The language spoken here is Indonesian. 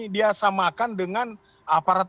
dia samakan dengan aparat